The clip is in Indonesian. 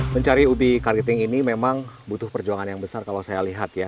mencari ubi kariting ini memang butuh perjuangan yang besar kalau saya lihat ya